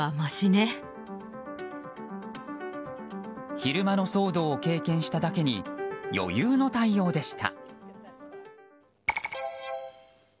昼間の騒動を経験しただけに余裕の対応でした。